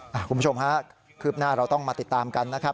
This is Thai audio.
คุณผู้ชมฮะคืบหน้าเราต้องมาติดตามกันนะครับ